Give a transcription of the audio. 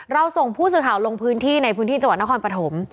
ส่งผู้สื่อข่าวลงพื้นที่ในพื้นที่จังหวัดนครปฐม